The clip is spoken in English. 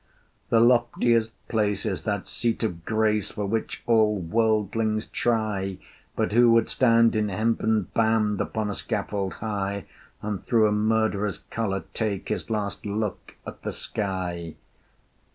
The loftiest place is that seat of grace For which all worldlings try: But who would stand in hempen band Upon a scaffold high, And through a murderer's collar take His last look at the sky?